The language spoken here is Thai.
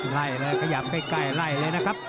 ไล่เลยขยับใกล้ไล่เลยนะครับ